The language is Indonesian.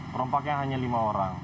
perompaknya hanya lima orang